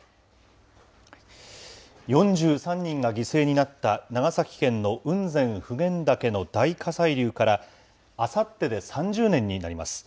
４３人が犠牲になった長崎県の雲仙・普賢岳の大火砕流からあさってで３０年になります。